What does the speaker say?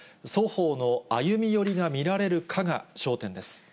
双方の歩み寄りが見られるかが焦点です。